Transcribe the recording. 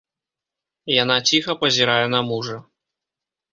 Яна ціха пазірае на мужа.